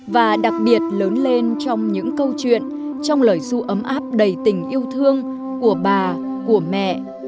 và đặc biệt lớn lên trong những câu chuyện trong lời du ấm áp đầy tình yêu thương của bà của mẹ